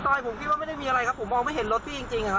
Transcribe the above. ในในในซอยผมพี่ว่าไม่ได้มีอะไรครับผมมองไม่เห็นรถพี่จริงจริงอ่ะครับพี่